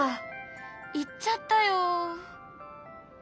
行っちゃったよ。